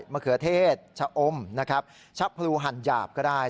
มะเขือเทศชะอมชับผลูหั่นหยาบก็ได้